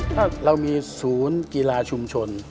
ถ้าเรามีศูนย์กีฬาชุมชน